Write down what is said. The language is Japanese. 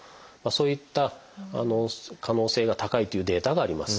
そういった可能性が高いというデータがあります。